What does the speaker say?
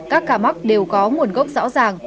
các ca mắc đều có nguồn gốc rõ ràng